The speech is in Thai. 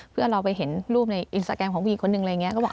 เพื่อเราไปเห็นรูปในอินสารแกรมของพี่หนึ่ง